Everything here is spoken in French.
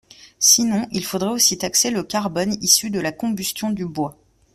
Sinon, il faudrait aussi taxer le carbone issu de la combustion du bois.